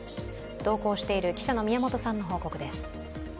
同行している記者の宮本さんの報告です。